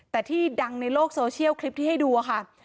แต่ที่ดังในโลกโซเชียลคลิปที่ให้ดูค่ะ